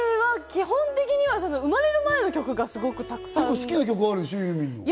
基本的には生まれる前の曲がすごくたくさん。